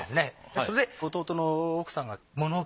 それで弟の奥さんが物置